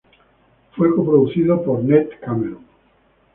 Fue coproducido por Ned Cameron.